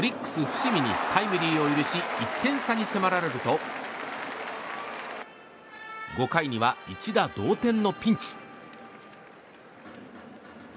伏見にタイムリーを許し１点差に迫られると５回には一打同点のピンチ。